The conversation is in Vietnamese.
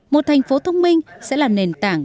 một thành phố thông minh sẽ là nền tảng